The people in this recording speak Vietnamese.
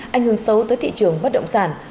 ảnh hưởng xấu tới thị trường bất động sản